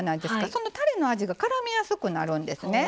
そのたれの味がからみやすくなるんですね。